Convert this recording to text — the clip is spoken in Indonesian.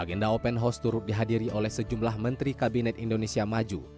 agenda open house turut dihadiri oleh sejumlah menteri kabinet indonesia maju